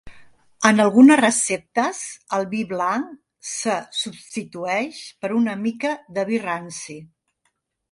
En algunes receptes el vi blanc se substitueix per una mica de vi ranci.